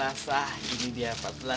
ah gini dia empat belas